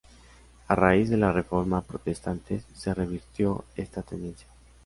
A raíz de la Reforma protestante se revirtió esta tendencia.